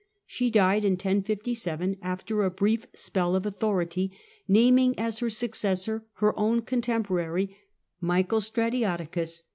She died in 1057, after a brief spell of authority, naming as her successor her own contemporary, Michael Stratioticus.